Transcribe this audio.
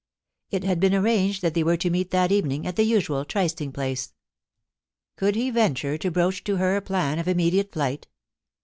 It had been arranged that they were to meet that evening at the usual trysting place Could he venture to broach to her a plan of immediate flight?